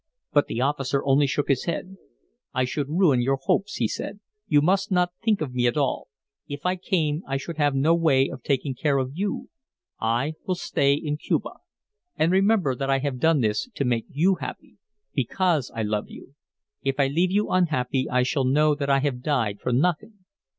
But the officer only shook his head. "I should ruin your hopes," he said. "You must not think of me at all. If I came I should have no way of taking care of you; I will stay in Cuba. And remember that I have done this to make you happy because I love you. If I leave you unhappy I shall know that I have died for nothing."